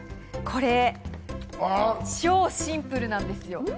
これ、超シンプルなですよ。